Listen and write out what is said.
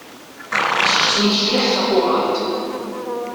Seksu s tecriḥt taqurant.